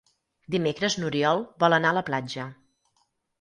Dimecres n'Oriol vol anar a la platja.